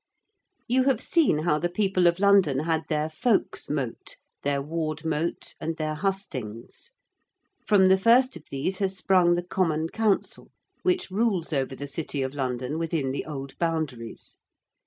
You have seen how the people of London had their Folks' Mote, their Ward Mote, and their Hustings. From the first of these has sprung the Common Council, which rules over the City of London within the old boundaries.